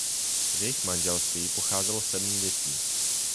Z jejich manželství pocházelo sedm dětí.